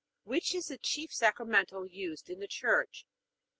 Which is the chief sacramental used in the Church?